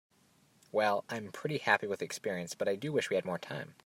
Well, I am pretty happy with the experience, but I do wish we had more time.